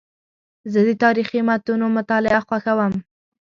زه د تاریخي متونو مطالعه خوښوم.